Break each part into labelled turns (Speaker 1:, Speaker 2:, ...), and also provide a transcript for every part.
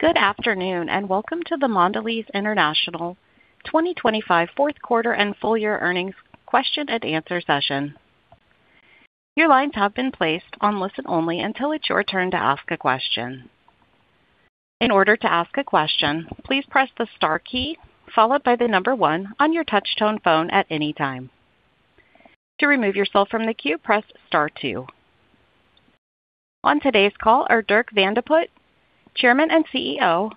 Speaker 1: Good afternoon and welcome to the Mondelēz International 2025 fourth quarter and full year earnings question and answer session. Your lines have been placed on listen only until it's your turn to ask a question. In order to ask a question, please press the star key followed by the number one on your touch tone phone at any time. To remove yourself from the queue, press star two. On today's call are Dirk Van de Put, Chairman and CEO,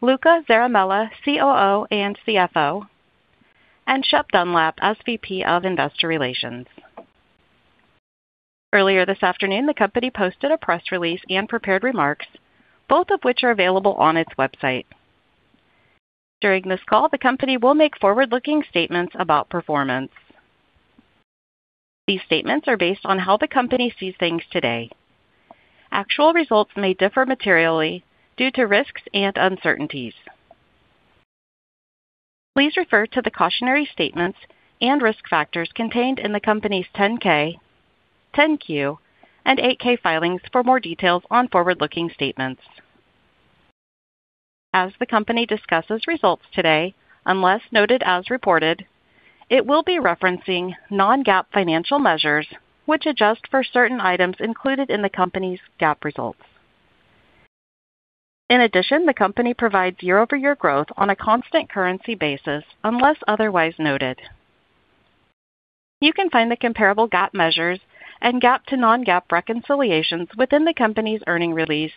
Speaker 1: Luca Zaramella, COO and CFO, and Shep Dunlap, SVP of Investor Relations. Earlier this afternoon the company posted a press release and prepared remarks, both of which are available on its website. During this call the company will make forward-looking statements about performance. These statements are based on how the company sees things today. Actual results may differ materially due to risks and uncertainties. Please refer to the cautionary statements and risk factors contained in the company's 10-K, 10-Q, and 8-K filings for more details on forward-looking statements. As the company discusses results today, unless noted as reported, it will be referencing non-GAAP financial measures which adjust for certain items included in the company's GAAP results. In addition, the company provides year-over-year growth on a constant currency basis unless otherwise noted. You can find the comparable GAAP measures and GAAP to non-GAAP reconciliations within the company's earnings release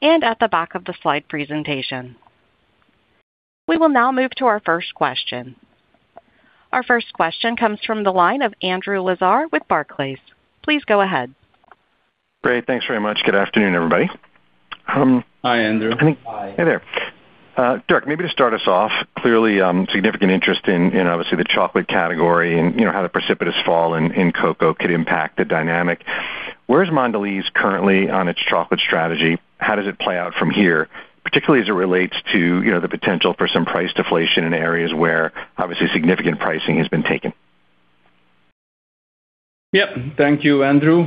Speaker 1: and at the back of the slide presentation. We will now move to our first question. Our first question comes from the line of Andrew Lazar with Barclays. Please go ahead.
Speaker 2: Great. Thanks very much. Good afternoon, everybody.
Speaker 3: Hi, Andrew.
Speaker 2: Hi. Hey there. Dirk, maybe to start us off, clearly significant interest in obviously the chocolate category and how the precipitous fall in cocoa could impact the dynamic. Where is Mondelēz currently on its chocolate strategy? How does it play out from here, particularly as it relates to the potential for some price deflation in areas where obviously significant pricing has been taken?
Speaker 3: Yep. Thank you, Andrew.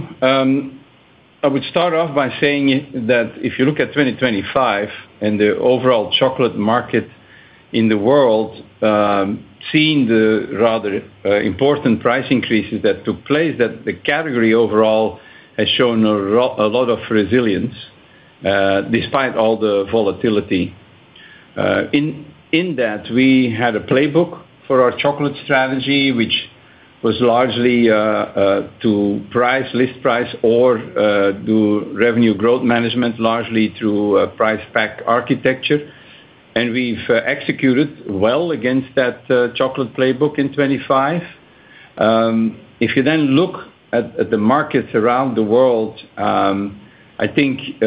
Speaker 3: I would start off by saying that if you look at 2025 and the overall chocolate market in the world, seeing the rather important price increases that took place, that the category overall has shown a lot of resilience despite all the volatility. In that, we had a playbook for our chocolate strategy which was largely to price, list price, or do revenue growth management largely through price pack architecture. And we've executed well against that chocolate playbook in 2025. If you then look at the markets around the world, I think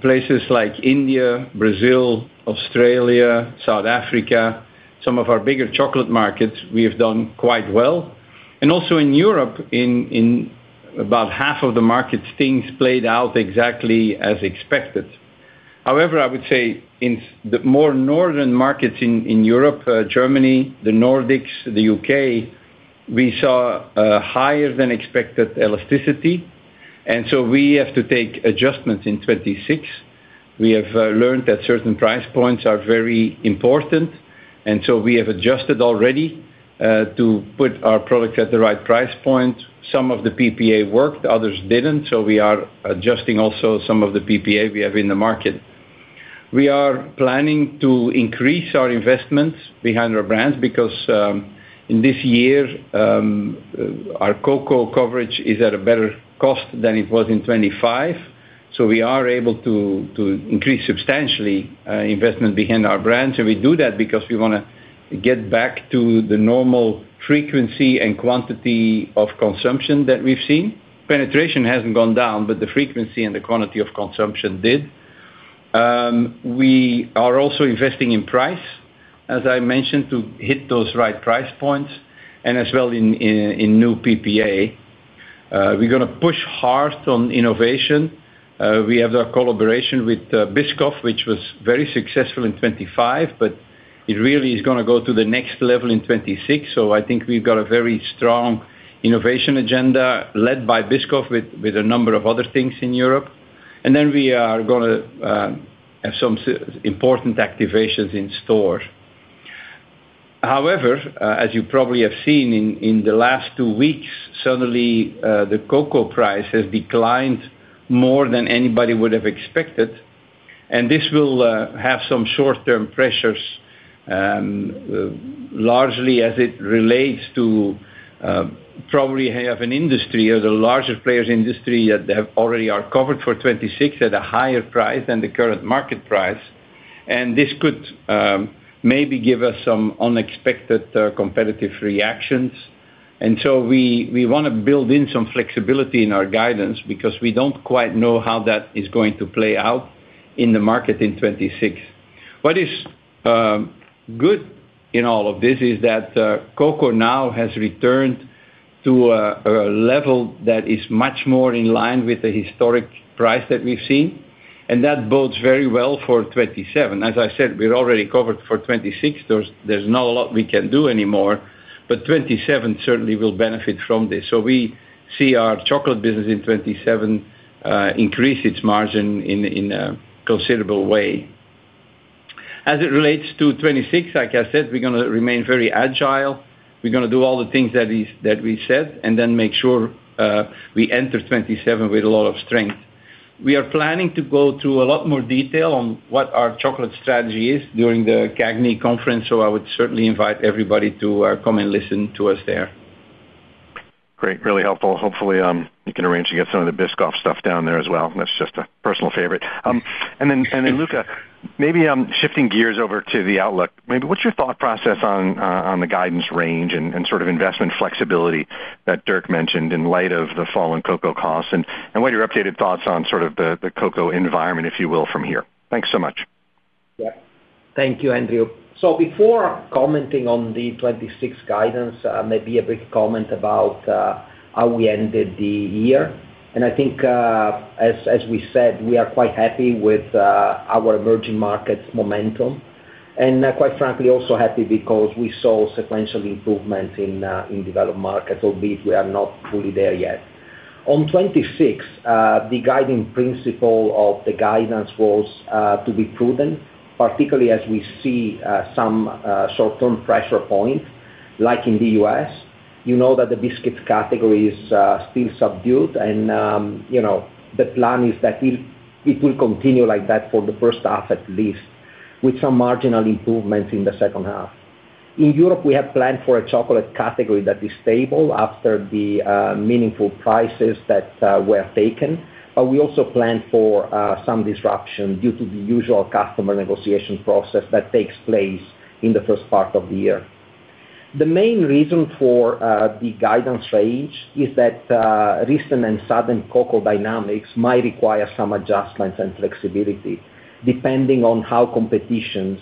Speaker 3: places like India, Brazil, Australia, South Africa, some of our bigger chocolate markets, we have done quite well. And also in Europe, in about half of the markets, things played out exactly as expected. However, I would say in the more northern markets in Europe, Germany, the Nordics, the UK, we saw higher than expected elasticity. And so we have to take adjustments in 2026. We have learned that certain price points are very important. And so we have adjusted already to put our products at the right price point. Some of the PPA worked, others didn't. So we are adjusting also some of the PPA we have in the market. We are planning to increase our investments behind our brands because in this year our cocoa coverage is at a better cost than it was in 2025. So we are able to increase substantially investment behind our brands. And we do that because we want to get back to the normal frequency and quantity of consumption that we've seen. Penetration hasn't gone down, but the frequency and the quantity of consumption did. We are also investing in price, as I mentioned, to hit those right price points. And as well in new PPA, we're going to push hard on innovation. We have our collaboration with Biscoff, which was very successful in 2025, but it really is going to go to the next level in 2026. So I think we've got a very strong innovation agenda led by Biscoff with a number of other things in Europe. And then we are going to have some important activations in store. However, as you probably have seen in the last two weeks, suddenly the cocoa price has declined more than anybody would have expected. And this will have some short-term pressures largely as it relates to probably have an industry or the larger players industry that already are covered for 2026 at a higher price than the current market price. This could maybe give us some unexpected competitive reactions. So we want to build in some flexibility in our guidance because we don't quite know how that is going to play out in the market in 2026. What is good in all of this is that cocoa now has returned to a level that is much more in line with the historic price that we've seen. And that bodes very well for 2027. As I said, we're already covered for 2026. There's not a lot we can do anymore. But 2027 certainly will benefit from this. So we see our chocolate business in 2027 increase its margin in a considerable way. As it relates to 2026, like I said, we're going to remain very agile. We're going to do all the things that we said and then make sure we enter 2027 with a lot of strength. We are planning to go through a lot more detail on what our chocolate strategy is during the CAGNY Conference. So I would certainly invite everybody to come and listen to us there.
Speaker 2: Great. Really helpful. Hopefully you can arrange to get some of the Biscoff stuff down there as well. That's just a personal favorite. And then, Luca, maybe shifting gears over to the outlook. Maybe what's your thought process on the guidance range and sort of investment flexibility that Dirk mentioned in light of the fall in cocoa costs and what are your updated thoughts on sort of the cocoa environment, if you will, from here? Thanks so much.
Speaker 4: Yep. Thank you, Andrew. So before commenting on the 2026 guidance, maybe a brief comment about how we ended the year. And I think, as we said, we are quite happy with our emerging markets momentum. And quite frankly, also happy because we saw sequential improvements in developed markets, albeit we are not fully there yet. On 2026, the guiding principle of the guidance was to be prudent, particularly as we see some short-term pressure points like in the U.S. You know that the biscuits category is still subdued. And the plan is that it will continue like that for the first half at least with some marginal improvements in the second half. In Europe, we have planned for a chocolate category that is stable after the meaningful prices that were taken. But we also planned for some disruption due to the usual customer negotiation process that takes place in the first part of the year. The main reason for the guidance range is that recent and sudden cocoa dynamics might require some adjustments and flexibility depending on how competitors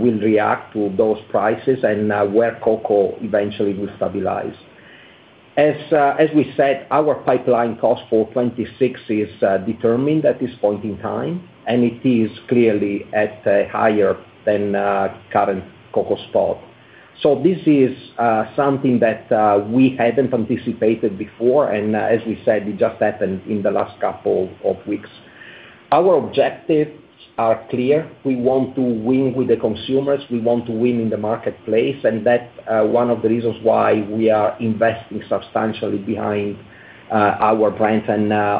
Speaker 4: will react to those prices and where cocoa eventually will stabilize. As we said, our pipeline cost for 2026 is determined at this point in time. And it is clearly at a higher than current cocoa spot. So this is something that we hadn't anticipated before. And as we said, it just happened in the last couple of weeks. Our objectives are clear. We want to win with the consumers. We want to win in the marketplace. And that's one of the reasons why we are investing substantially behind our brands.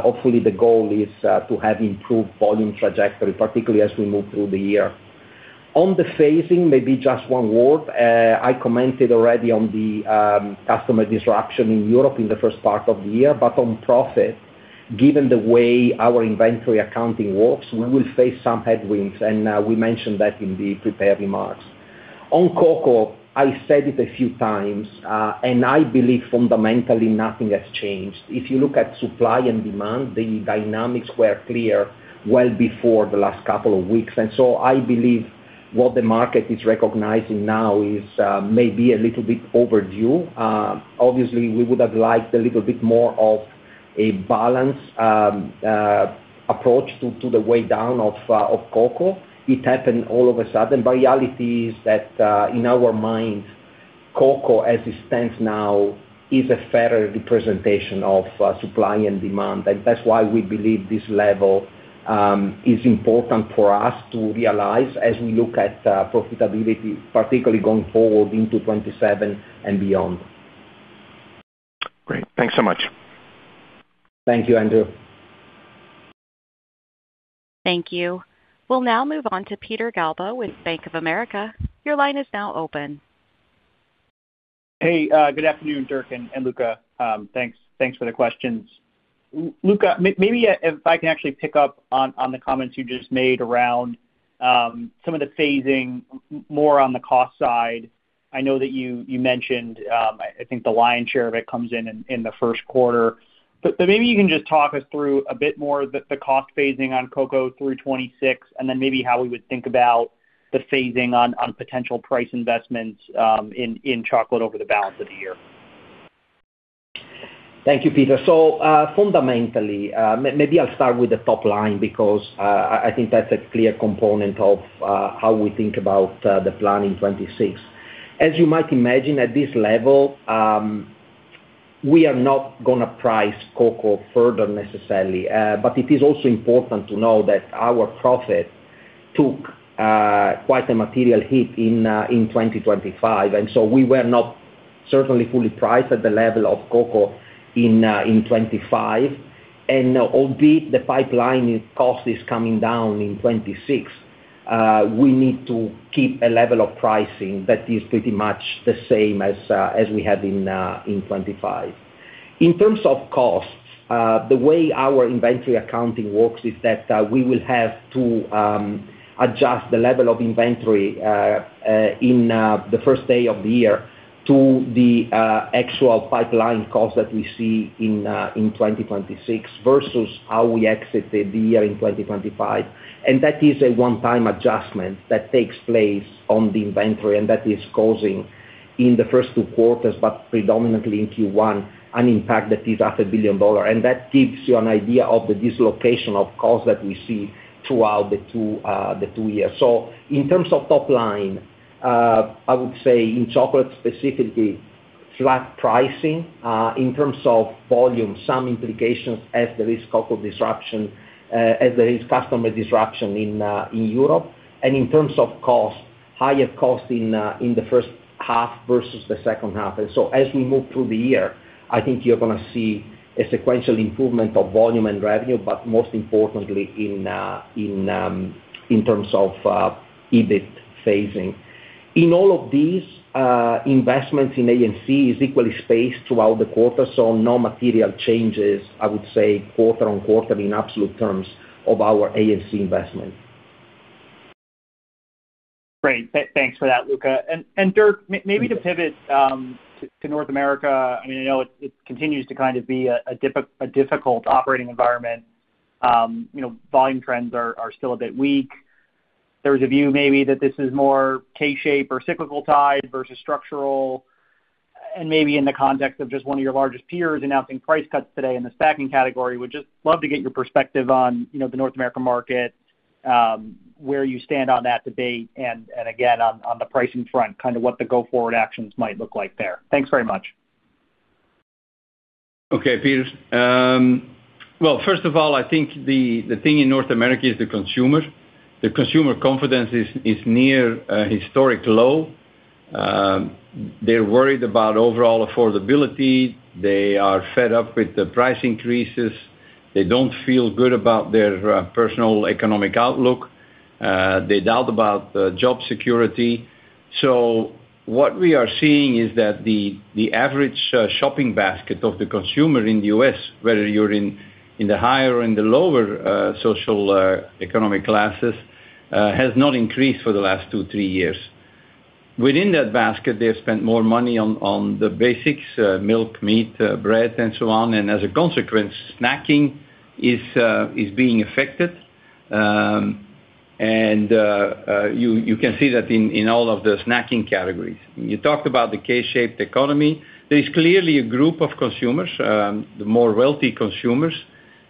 Speaker 4: Hopefully the goal is to have improved volume trajectory, particularly as we move through the year. On the phasing, maybe just one word. I commented already on the customer disruption in Europe in the first part of the year. But on profit, given the way our inventory accounting works, we will face some headwinds. We mentioned that in the prepared remarks. On cocoa, I said it a few times. I believe fundamentally nothing has changed. If you look at supply and demand, the dynamics were clear well before the last couple of weeks. So I believe what the market is recognizing now is maybe a little bit overdue. Obviously, we would have liked a little bit more of a balanced approach to the way down of cocoa. It happened all of a sudden. Reality is that in our minds, cocoa as it stands now is a fairer representation of supply and demand. That's why we believe this level is important for us to realize as we look at profitability, particularly going forward into 2027 and beyond.
Speaker 2: Great. Thanks so much.
Speaker 4: Thank you, Andrew.
Speaker 1: Thank you. We'll now move on to Peter Galbo with Bank of America. Your line is now open.
Speaker 5: Hey. Good afternoon, Dirk and Luca. Thanks for the questions. Luca, maybe if I can actually pick up on the comments you just made around some of the phasing, more on the cost side. I know that you mentioned, I think, the lion's share of it comes in the first quarter. But maybe you can just talk us through a bit more the cost phasing on cocoa through 2026 and then maybe how we would think about the phasing on potential price investments in chocolate over the balance of the year.
Speaker 4: Thank you, Peter. So fundamentally, maybe I'll start with the top line because I think that's a clear component of how we think about the plan in 2026. As you might imagine, at this level, we are not going to price cocoa further necessarily. But it is also important to know that our profit took quite a material hit in 2025. And so we were not certainly fully priced at the level of cocoa in 2025. And albeit the pipeline cost is coming down in 2026, we need to keep a level of pricing that is pretty much the same as we had in 2025. In terms of costs, the way our inventory accounting works is that we will have to adjust the level of inventory in the first day of the year to the actual pipeline cost that we see in 2026 versus how we exited the year in 2025. That is a one-time adjustment that takes place on the inventory. That is causing, in the first two quarters, but predominantly in Q1, an impact that is $500 million. That gives you an idea of the dislocation of costs that we see throughout the two years. In terms of top line, I would say in chocolate specifically, flat pricing. In terms of volume, some implications as there is cocoa disruption, as there is customer disruption in Europe. In terms of cost, higher cost in the first half versus the second half. As we move through the year, I think you're going to see a sequential improvement of volume and revenue, but most importantly in terms of EBIT phasing. In all of these, investments in A&C is equally spaced throughout the quarter. So no material changes, I would say, quarter-over-quarter in absolute terms of our A&C investments.
Speaker 5: Great. Thanks for that, Luca. And Dirk, maybe to pivot to North America. I mean, I know it continues to kind of be a difficult operating environment. Volume trends are still a bit weak. There was a view maybe that this is more K-shape or cyclical tide versus structural. And maybe in the context of just one of your largest peers announcing price cuts today in the snacking category, we'd just love to get your perspective on the North American market, where you stand on that debate, and again, on the pricing front, kind of what the go-forward actions might look like there. Thanks very much.
Speaker 3: Okay, Peter. Well, first of all, I think the thing in North America is the consumer. The consumer confidence is near historic low. They're worried about overall affordability. They are fed up with the price increases. They don't feel good about their personal economic outlook. They doubt about job security. So what we are seeing is that the average shopping basket of the consumer in the U.S., whether you're in the higher or in the lower social economic classes, has not increased for the last 2-3 years. Within that basket, they've spent more money on the basics: milk, meat, bread, and so on. And as a consequence, snacking is being affected. And you can see that in all of the snacking categories. You talked about the K-shaped economy. There is clearly a group of consumers, the more wealthy consumers,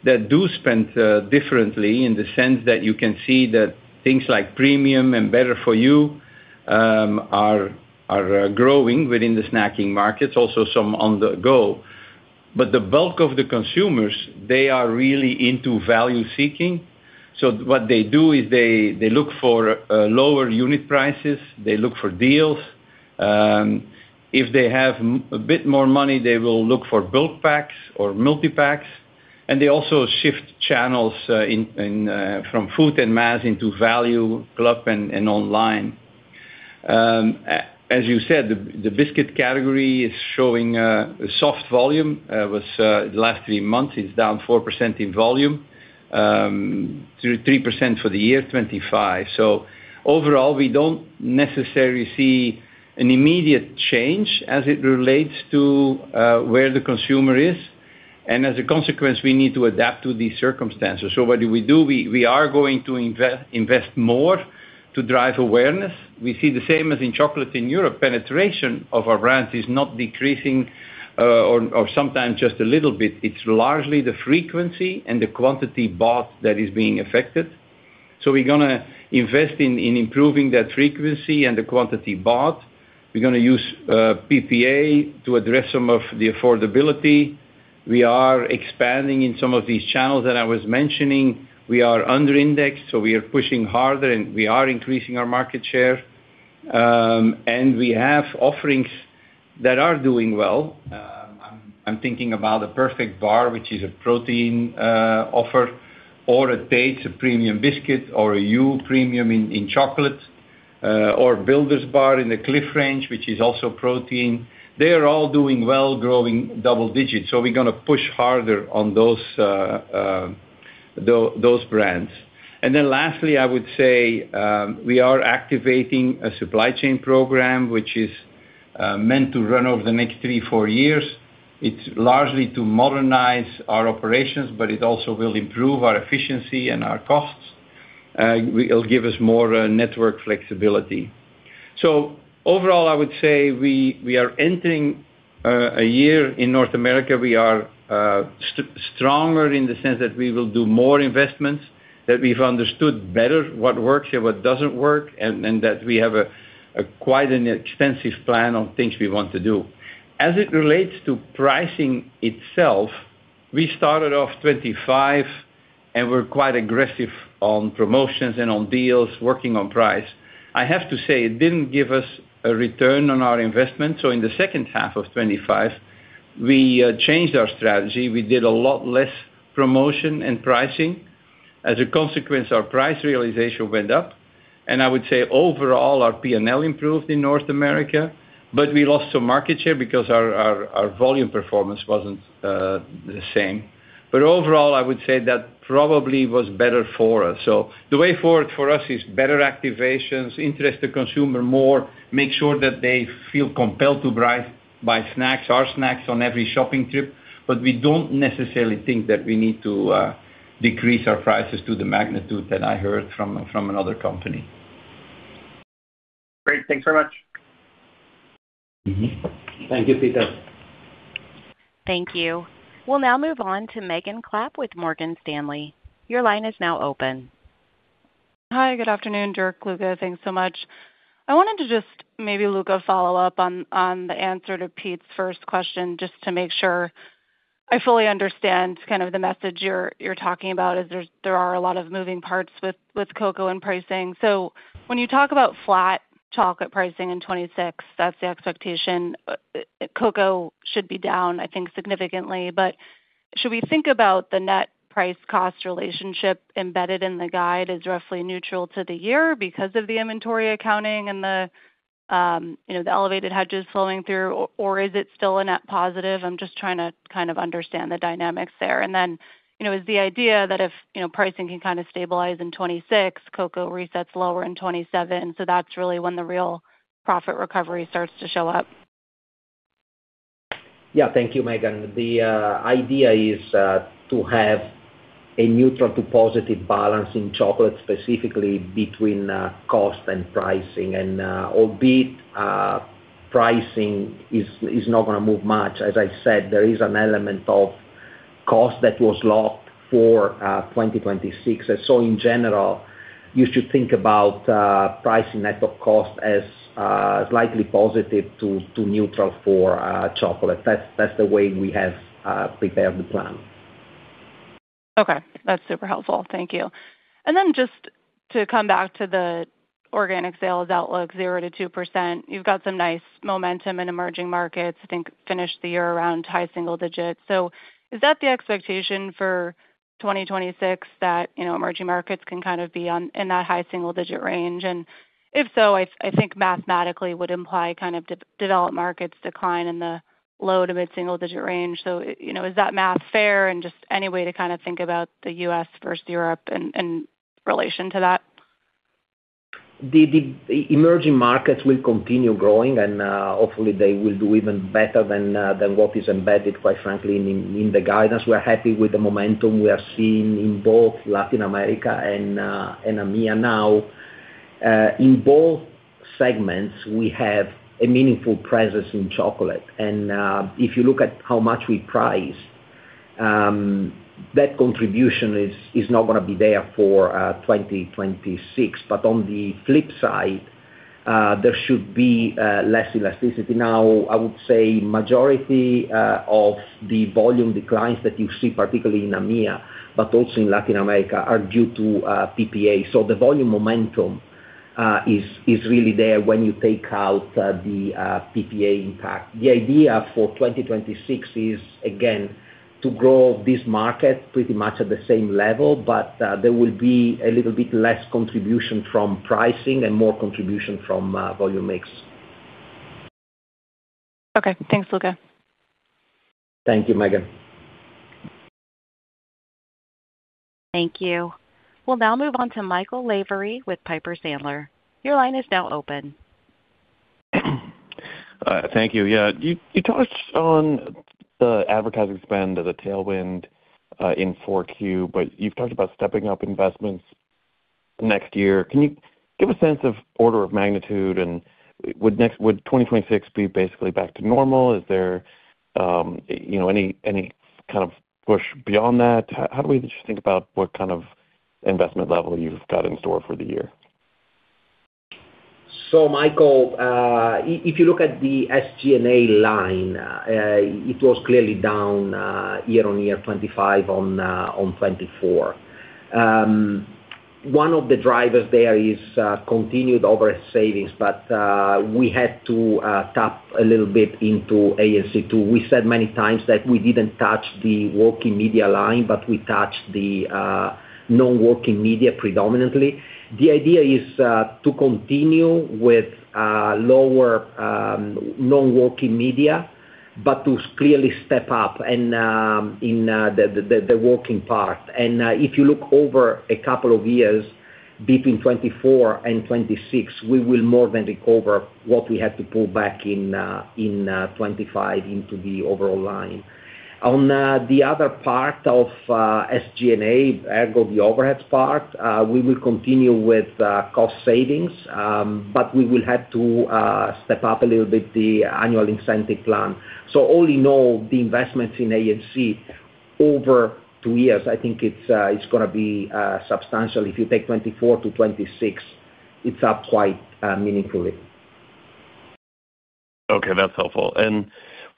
Speaker 3: that do spend differently in the sense that you can see that things like premium and better for you are growing within the snacking markets, also some on the go. But the bulk of the consumers, they are really into value seeking. So what they do is they look for lower unit prices. They look for deals. If they have a bit more money, they will look for bulk packs or multi-packs. And they also shift channels from food and mass into value club and online. As you said, the biscuit category is showing a soft volume the last three months. It's down 4% in volume, 3% for the year 2025. So overall, we don't necessarily see an immediate change as it relates to where the consumer is. And as a consequence, we need to adapt to these circumstances. So what do we do? We are going to invest more to drive awareness. We see the same as in chocolate in Europe. Penetration of our brands is not decreasing or sometimes just a little bit. It's largely the frequency and the quantity bought that is being affected. So we're going to invest in improving that frequency and the quantity bought. We're going to use PPA to address some of the affordability. We are expanding in some of these channels that I was mentioning. We are underindexed. So we are pushing harder. And we are increasing our market share. And we have offerings that are doing well. I'm thinking about a Perfect Bar, which is a protein offer, or a Tate's Premium Biscuit or a Hu Premium in chocolate, or Builder's Bar in the Clif Range, which is also protein. They are all doing well, growing double digits. So we're going to push harder on those brands. And then lastly, I would say we are activating a supply chain program, which is meant to run over the next 3-4 years. It's largely to modernize our operations. But it also will improve our efficiency and our costs. It'll give us more network flexibility. So overall, I would say we are entering a year in North America. We are stronger in the sense that we will do more investments, that we've understood better what works and what doesn't work, and that we have quite an extensive plan on things we want to do. As it relates to pricing itself, we started off 2025. And we're quite aggressive on promotions and on deals, working on price. I have to say it didn't give us a return on our investments. So in the second half of 2025, we changed our strategy. We did a lot less promotion and pricing. As a consequence, our price realization went up. I would say overall, our P&L improved in North America. We lost some market share because our volume performance wasn't the same. Overall, I would say that probably was better for us. The way forward for us is better activations, interest the consumer more, make sure that they feel compelled to buy snacks, our snacks on every shopping trip. We don't necessarily think that we need to decrease our prices to the magnitude that I heard from another company.
Speaker 5: Great. Thanks very much.
Speaker 4: Thank you, Peter.
Speaker 1: Thank you. We'll now move on to Megan Clapp with Morgan Stanley. Your line is now open.
Speaker 6: Hi. Good afternoon, Dirk, Luca. Thanks so much. I wanted to just maybe, Luca, follow up on the answer to Pete's first question just to make sure I fully understand kind of the message you're talking about, as there are a lot of moving parts with cocoa and pricing. So when you talk about flat chocolate pricing in 2026, that's the expectation. Cocoa should be down, I think, significantly. But should we think about the net price-cost relationship embedded in the guide as roughly neutral to the year because of the inventory accounting and the elevated hedges flowing through? Or is it still a net positive? I'm just trying to kind of understand the dynamics there. And then is the idea that if pricing can kind of stabilize in 2026, cocoa resets lower in 2027? So that's really when the real profit recovery starts to show up.
Speaker 4: Yeah. Thank you, Megan. The idea is to have a neutral to positive balance in chocolate specifically between cost and pricing. Albeit pricing is not going to move much. As I said, there is an element of cost that was locked for 2026. In general, you should think about pricing net of cost as slightly positive to neutral for chocolate. That's the way we have prepared the plan.
Speaker 6: Okay. That's super helpful. Thank you. And then just to come back to the organic sales outlook, 0%-2%, you've got some nice momentum in emerging markets, I think, finished the year around high single digits. So is that the expectation for 2026 that emerging markets can kind of be in that high single digit range? And if so, I think mathematically would imply kind of developed markets decline in the low to mid-single digit range. So is that math fair and just any way to kind of think about the US versus Europe in relation to that?
Speaker 4: The emerging markets will continue growing. Hopefully, they will do even better than what is embedded, quite frankly, in the guidance. We are happy with the momentum we are seeing in both Latin America and EMEA now. In both segments, we have a meaningful presence in chocolate. If you look at how much we price, that contribution is not going to be there for 2026. On the flip side, there should be less elasticity. Now, I would say majority of the volume declines that you see, particularly in EMEA, but also in Latin America, are due to PPA. The volume momentum is really there when you take out the PPA impact. The idea for 2026 is, again, to grow this market pretty much at the same level. There will be a little bit less contribution from pricing and more contribution from volume mix.
Speaker 6: Okay. Thanks, Luca.
Speaker 4: Thank you, Megan.
Speaker 1: Thank you. We'll now move on to Michael Lavery with Piper Sandler. Your line is now open.
Speaker 7: Thank you. Yeah. You touched on the advertising spend as a tailwind in 4Q. But you've talked about stepping up investments next year. Can you give a sense of order of magnitude? And would 2026 be basically back to normal? Is there any kind of push beyond that? How do we think about what kind of investment level you've got in store for the year?
Speaker 4: So Michael, if you look at the SG&A line, it was clearly down year on year, 2025 on 2024. One of the drivers there is continued overhead savings. But we had to tap a little bit into A&C too. We said many times that we didn't touch the working media line. But we touched the non-working media predominantly. The idea is to continue with lower non-working media, but to clearly step up in the working part. And if you look over a couple of years between 2024 and 2026, we will more than recover what we had to pull back in 2025 into the overall line. On the other part of SG&A, ergo the overhead part, we will continue with cost savings. But we will have to step up a little bit the annual incentive plan. All in all, the investments in A&C over two years, I think it's going to be substantial. If you take 2024 to 2026, it's up quite meaningfully.
Speaker 7: Okay. That's helpful. And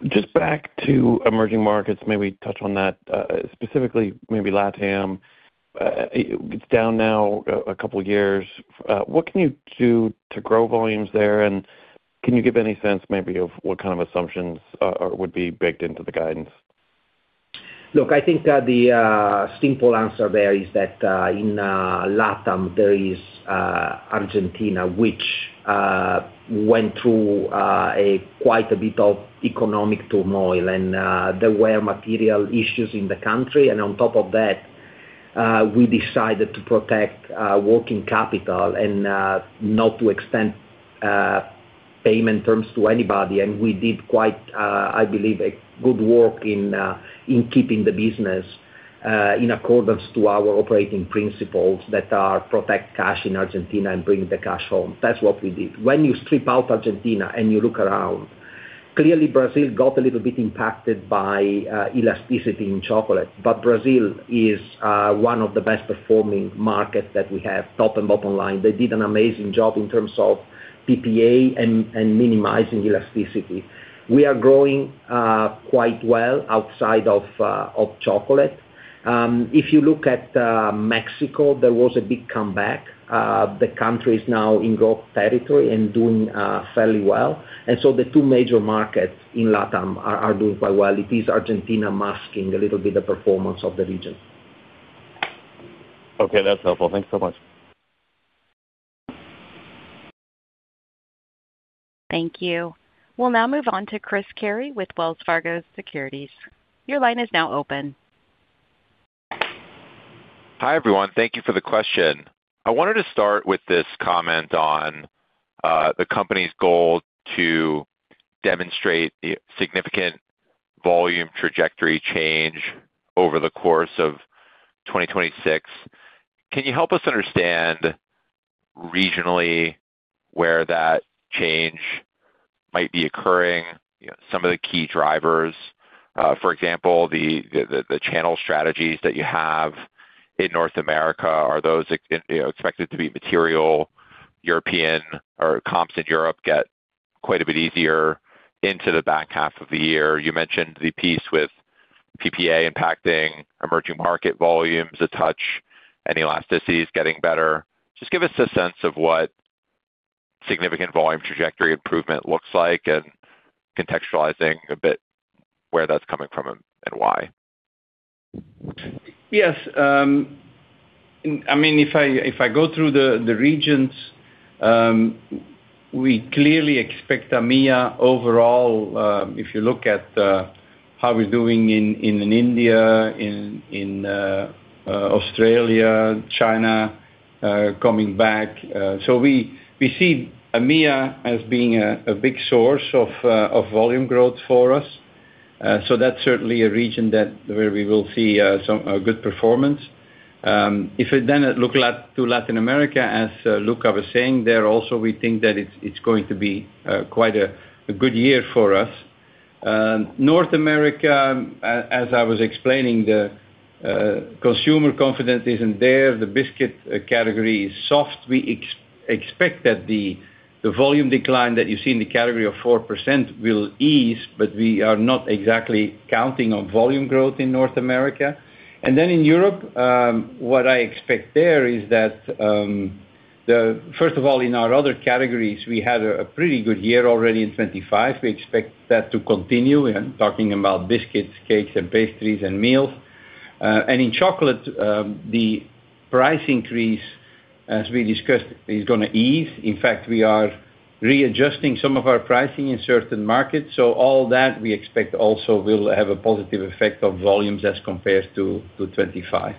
Speaker 7: just back to emerging markets, maybe touch on that specifically, maybe LATAM. It's down now a couple of years. What can you do to grow volumes there? And can you give any sense maybe of what kind of assumptions would be baked into the guidance?
Speaker 4: Look, I think the simple answer there is that in LATAM, there is Argentina, which went through quite a bit of economic turmoil. There were material issues in the country. On top of that, we decided to protect working capital and not to extend payment terms to anybody. We did quite, I believe, good work in keeping the business in accordance to our operating principles that are protect cash in Argentina and bring the cash home. That's what we did. When you strip out Argentina and you look around, clearly, Brazil got a little bit impacted by elasticity in chocolate. But Brazil is one of the best-performing markets that we have, top and bottom line. They did an amazing job in terms of PPA and minimizing elasticity. We are growing quite well outside of chocolate. If you look at Mexico, there was a big comeback. The country is now in growth territory and doing fairly well. And so the two major markets in LATAM are doing quite well. It is Argentina masking a little bit the performance of the region.
Speaker 7: Okay. That's helpful. Thanks so much.
Speaker 1: Thank you. We'll now move on to Chris Carey with Wells Fargo Securities. Your line is now open.
Speaker 8: Hi everyone. Thank you for the question. I wanted to start with this comment on the company's goal to demonstrate significant volume trajectory change over the course of 2026. Can you help us understand regionally where that change might be occurring, some of the key drivers? For example, the channel strategies that you have in North America, are those expected to be material? Comps in Europe get quite a bit easier into the back half of the year. You mentioned the piece with PPA impacting emerging market volumes a touch, and elasticities getting better. Just give us a sense of what significant volume trajectory improvement looks like and contextualizing a bit where that's coming from and why.
Speaker 3: Yes. I mean, if I go through the regions, we clearly expect EMEA overall, if you look at how we're doing in India, in Australia, China, coming back. So we see EMEA as being a big source of volume growth for us. So that's certainly a region where we will see a good performance. If we then look to Latin America, as Luca was saying, there also, we think that it's going to be quite a good year for us. North America, as I was explaining, the consumer confidence isn't there. The biscuit category is soft. We expect that the volume decline that you see in the category of 4% will ease. But we are not exactly counting on volume growth in North America. And then in Europe, what I expect there is that, first of all, in our other categories, we had a pretty good year already in 2025. We expect that to continue. We're talking about biscuits, cakes, and pastries, and meals. In chocolate, the price increase, as we discussed, is going to ease. In fact, we are readjusting some of our pricing in certain markets. All that, we expect also, will have a positive effect on volumes as compared to 2025.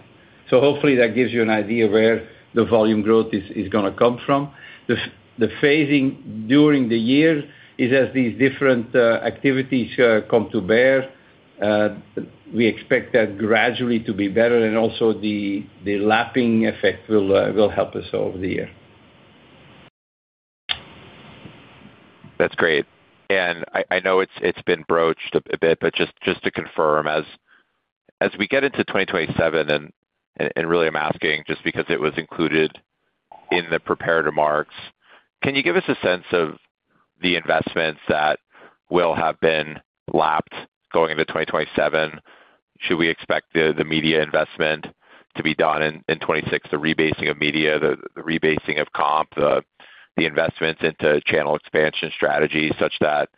Speaker 3: Hopefully, that gives you an idea where the volume growth is going to come from. The phasing during the year is as these different activities come to bear. We expect that gradually to be better. Also, the lapping effect will help us over the year.
Speaker 8: That's great. And I know it's been broached a bit. But just to confirm, as we get into 2027 and really I'm asking just because it was included in the prepared remarks, can you give us a sense of the investments that will have been lapped going into 2027? Should we expect the media investment to be done in 2026, the rebasing of media, the rebasing of comp, the investments into channel expansion strategies such that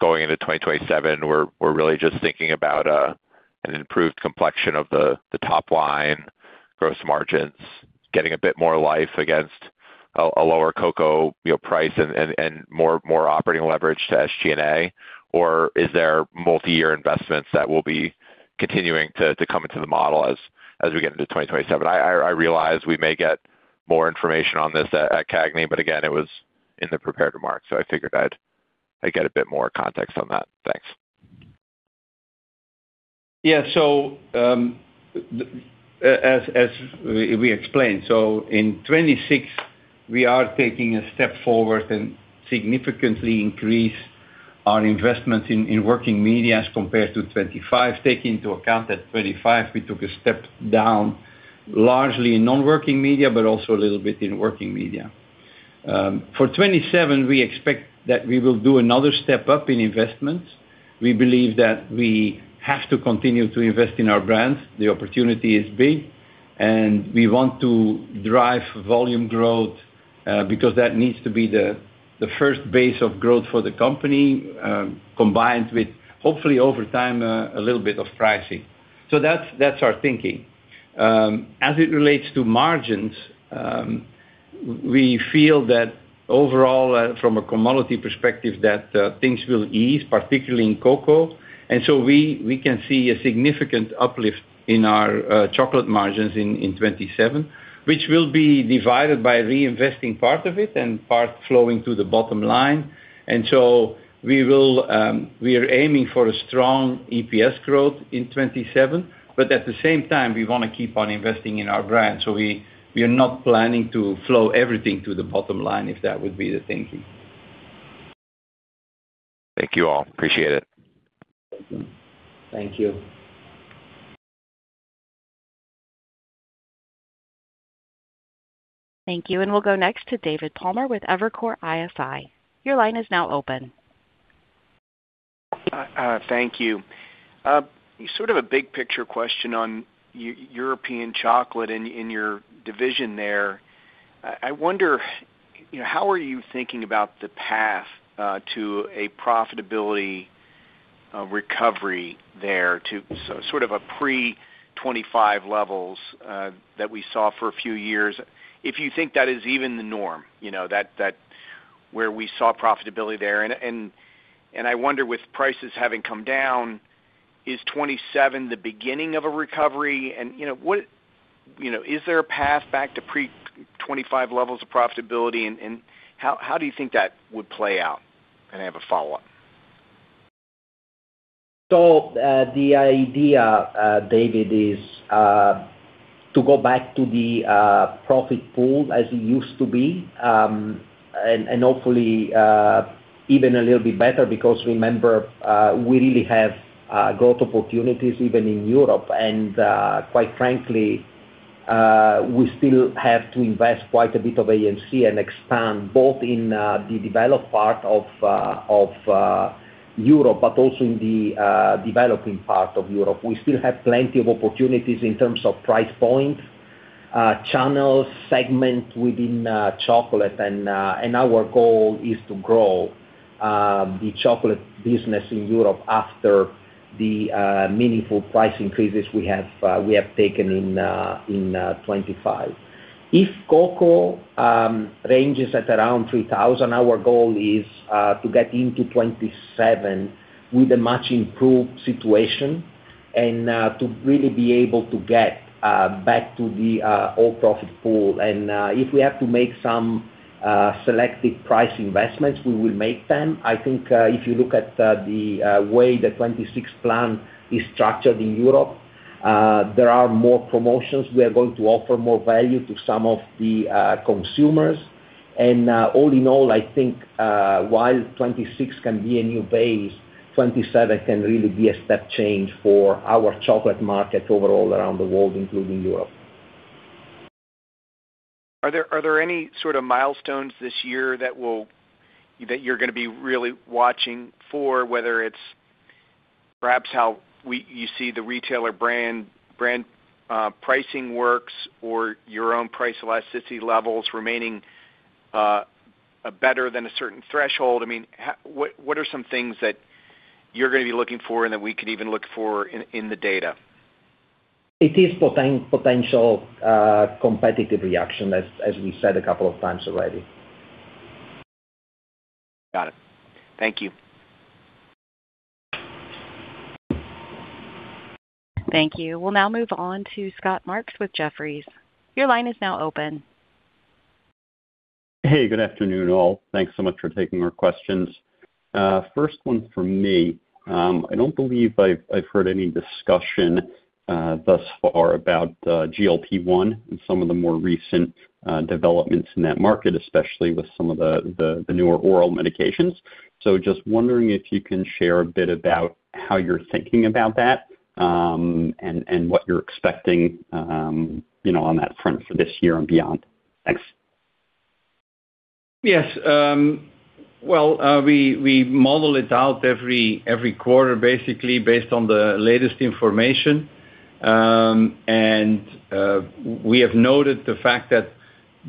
Speaker 8: going into 2027, we're really just thinking about an improved complexion of the top line, gross margins, getting a bit more life against a lower cocoa price, and more operating leverage to SG&A? Or is there multi-year investments that will be continuing to come into the model as we get into 2027? I realize we may get more information on this at CAGNY. But again, it was in the prepared remarks. I figured I'd get a bit more context on that. Thanks.
Speaker 3: Yeah. So as we explained, so in 2026, we are taking a step forward and significantly increase our investments in working media as compared to 2025. Taking into account that 2025, we took a step down largely in non-working media, but also a little bit in working media. For 2027, we expect that we will do another step up in investments. We believe that we have to continue to invest in our brands. The opportunity is big. And we want to drive volume growth because that needs to be the first base of growth for the company combined with, hopefully, over time, a little bit of pricing. So that's our thinking. As it relates to margins, we feel that overall, from a commodity perspective, that things will ease, particularly in cocoa. We can see a significant uplift in our chocolate margins in 2027, which will be divided by reinvesting part of it and part flowing to the bottom line. We are aiming for a strong EPS growth in 2027. But at the same time, we want to keep on investing in our brands. We are not planning to flow everything to the bottom line, if that would be the thinking.
Speaker 8: Thank you all. Appreciate it.
Speaker 3: Thank you.
Speaker 1: Thank you. We'll go next to David Palmer with Evercore ISI. Your line is now open.
Speaker 9: Thank you. Sort of a big picture question on European chocolate in your division there. I wonder, how are you thinking about the path to a profitability recovery there, sort of a pre-2025 levels that we saw for a few years? If you think that is even the norm, where we saw profitability there. And I wonder, with prices having come down, is 2027 the beginning of a recovery? And is there a path back to pre-2025 levels of profitability? And how do you think that would play out? And I have a follow-up.
Speaker 4: So the idea, David, is to go back to the profit pool as it used to be and hopefully even a little bit better because remember, we really have growth opportunities even in Europe. And quite frankly, we still have to invest quite a bit of A&C and expand both in the developed part of Europe, but also in the developing part of Europe. We still have plenty of opportunities in terms of price points, channels, segments within chocolate. And our goal is to grow the chocolate business in Europe after the meaningful price increases we have taken in 2025. If cocoa ranges at around $3,000, our goal is to get into 2027 with a much improved situation and to really be able to get back to the old profit pool. And if we have to make some selective price investments, we will make them. I think if you look at the way the 2026 plan is structured in Europe, there are more promotions. We are going to offer more value to some of the consumers. All in all, I think while 2026 can be a new base, 2027 can really be a step change for our chocolate market overall around the world, including Europe.
Speaker 9: Are there any sort of milestones this year that you're going to be really watching for, whether it's perhaps how you see the retailer brand pricing works or your own price elasticity levels remaining better than a certain threshold? I mean, what are some things that you're going to be looking for and that we could even look for in the data?
Speaker 4: It is potential competitive reaction, as we said a couple of times already.
Speaker 9: Got it. Thank you.
Speaker 1: Thank you. We'll now move on to Scott Marks with Jefferies. Your line is now open.
Speaker 10: Hey. Good afternoon all. Thanks so much for taking our questions. First one from me. I don't believe I've heard any discussion thus far about GLP-1 and some of the more recent developments in that market, especially with some of the newer oral medications. So just wondering if you can share a bit about how you're thinking about that and what you're expecting on that front for this year and beyond. Thanks.
Speaker 3: Yes. Well, we model it out every quarter, basically, based on the latest information. We have noted the fact that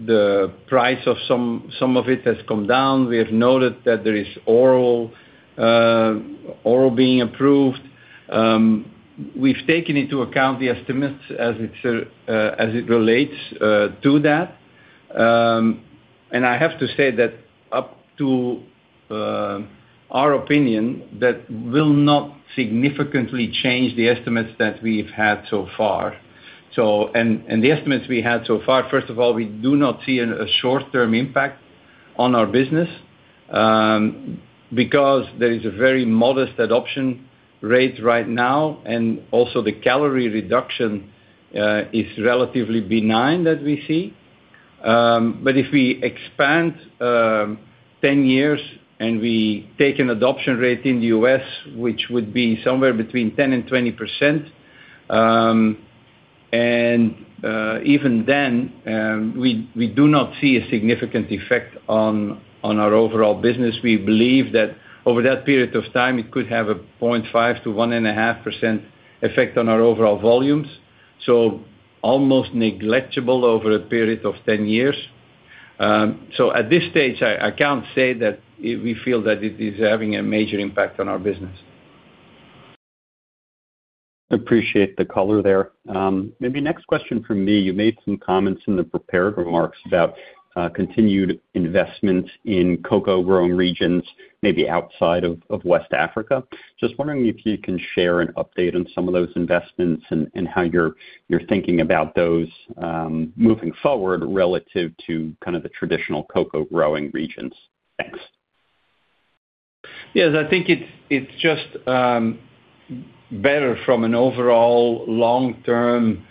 Speaker 3: the price of some of it has come down. We have noted that there is oral being approved. We've taken into account the estimates as it relates to that. And I have to say that, in our opinion, that will not significantly change the estimates that we've had so far. And the estimates we had so far, first of all, we do not see a short-term impact on our business because there is a very modest adoption rate right now. And also, the calorie reduction is relatively benign that we see. But if we expand 10 years and we take an adoption rate in the U.S., which would be somewhere between 10% and 20%, and even then, we do not see a significant effect on our overall business. We believe that over that period of time, it could have a 0.5%-1.5% effect on our overall volumes. So almost negligible over a period of 10 years. So at this stage, I can't say that we feel that it is having a major impact on our business.
Speaker 10: Appreciate the color there. Maybe next question from me. You made some comments in the prepared remarks about continued investments in cocoa-growing regions, maybe outside of West Africa. Just wondering if you can share an update on some of those investments and how you're thinking about those moving forward relative to kind of the traditional cocoa-growing regions. Thanks.
Speaker 3: Yes. I think it's just better from an overall long-term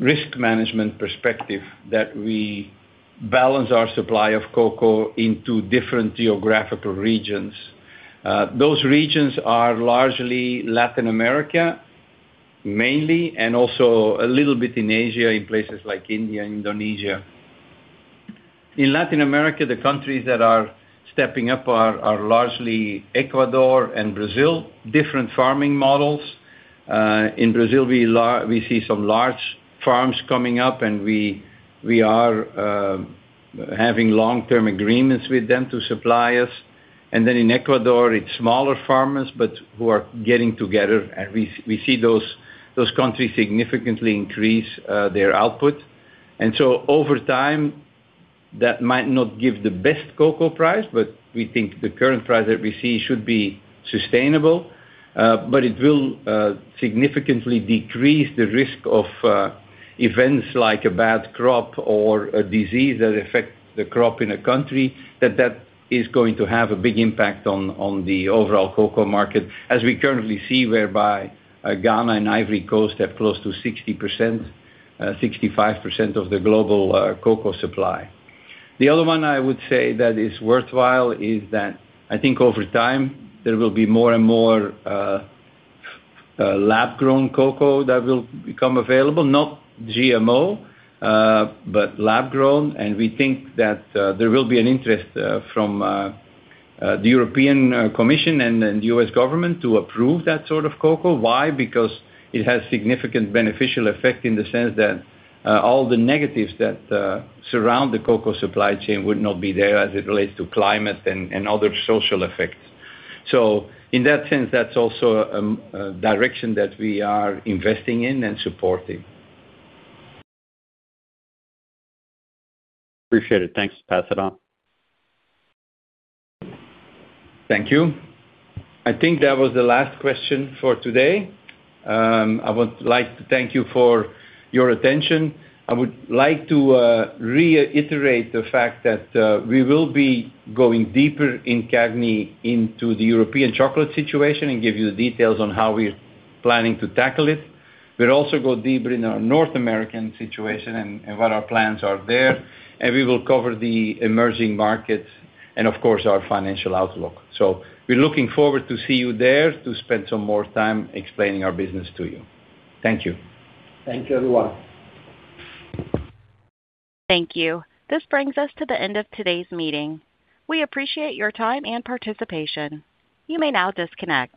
Speaker 3: risk management perspective that we balance our supply of cocoa into different geographical regions. Those regions are largely Latin America, mainly, and also a little bit in Asia in places like India and Indonesia. In Latin America, the countries that are stepping up are largely Ecuador and Brazil, different farming models. In Brazil, we see some large farms coming up. And we are having long-term agreements with them to supply us. And then in Ecuador, it's smaller farmers who are getting together. And we see those countries significantly increase their output. And so over time, that might not give the best cocoa price. But we think the current price that we see should be sustainable. But it will significantly decrease the risk of events like a bad crop or a disease that affects the crop in a country that is going to have a big impact on the overall cocoa market, as we currently see whereby Ghana and Ivory Coast have close to 60%-65% of the global cocoa supply. The other one I would say that is worthwhile is that I think over time, there will be more and more lab-grown cocoa that will become available, not GMO, but lab-grown. And we think that there will be an interest from the European Commission and the U.S. government to approve that sort of cocoa. Why? Because it has significant beneficial effect in the sense that all the negatives that surround the cocoa supply chain would not be there as it relates to climate and other social effects. In that sense, that's also a direction that we are investing in and supporting.
Speaker 10: Appreciate it. Thanks to pass it on.
Speaker 3: Thank you. I think that was the last question for today. I would like to thank you for your attention. I would like to reiterate the fact that we will be going deeper in CAGNY into the European chocolate situation and give you the details on how we're planning to tackle it. We'll also go deeper in our North American situation and what our plans are there. We will cover the emerging markets and, of course, our financial outlook. We're looking forward to see you there to spend some more time explaining our business to you. Thank you. Thank you, everyone.
Speaker 1: Thank you. This brings us to the end of today's meeting. We appreciate your time and participation. You may now disconnect.